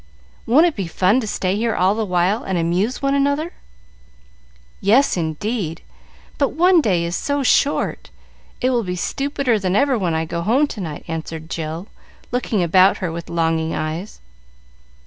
Won't it be fun to stay here all the while, and amuse one another?" "Yes, indeed; but one day is so short! It will be stupider than ever when I go home to night," answered Jill, looking about her with longing eyes.